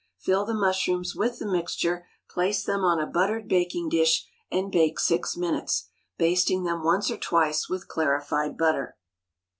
Fill the mushrooms with the mixture, place them on a buttered baking dish, and bake six minutes, basting them once or twice with clarified butter.